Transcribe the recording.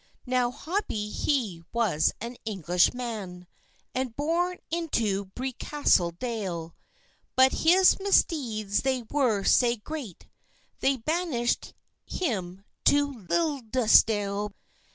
Now Hobie he was an English man, And born into Bewcastle dale; But his misdeeds they were sae great, They banish'd him to Liddisdale.